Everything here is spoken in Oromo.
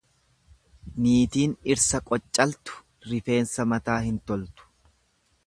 Niitiin dhirsa qoccaltu rifeensa mataa hin toltu.